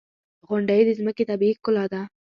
• غونډۍ د ځمکې طبیعي ښکلا ده.